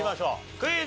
クイズ。